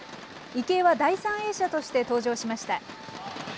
池江は第３泳者として登場しました。